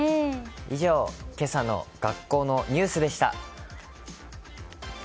以上、今朝の学校のニュースでした。